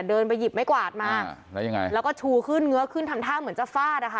เดินไปหยิบไม้กวาดมาแล้วยังไงแล้วก็ชูขึ้นเงื้อขึ้นทำท่าเหมือนจะฟาดอ่ะค่ะ